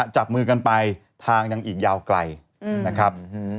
จับมือกันไปทางยังอีกยาวไกลนะครับ